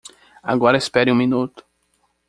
Agora espere um minuto!